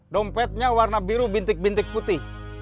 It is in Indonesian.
dompetnya warna biru bintik bintik putih